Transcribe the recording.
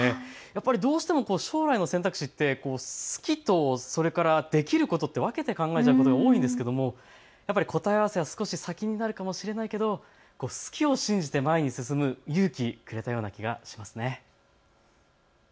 やっぱりどうしても将来の選択肢って、好きとそれからできることを分けて考えちゃうことが多いんですけど答え合わせは先になるかもしれないけど、好きを信じて前に進む勇気、くれたような気がしますね。